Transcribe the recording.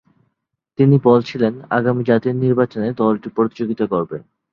তিনি বলছিলেন, আগামী জাতীয় নির্বাচনে দলটি প্রতিযোগিতা করবে।